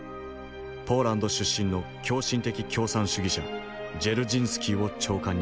ポーランド出身の狂信的共産主義者ジェルジンスキーを長官に任命。